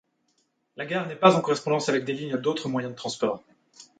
La gare n'est pas en correspondance avec des lignes d'autres moyens de transport.